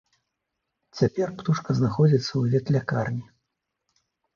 Цяпер птушка знаходзіцца ў ветлякарні.